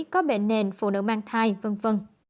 có bệnh nền phụ nữ mang thai v v